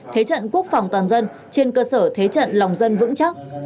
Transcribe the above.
thế trận quốc phòng toàn dân trên cơ sở thế trận lòng dân vững chắc